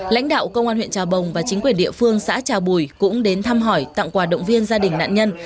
lãnh đạo công an huyện trà bồng và chính quyền địa phương xã trà bùi cũng đến thăm hỏi tặng quà động viên gia đình nạn nhân